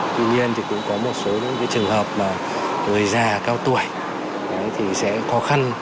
tuy nhiên thì cũng có một số những trường hợp mà người già cao tuổi thì sẽ khó khăn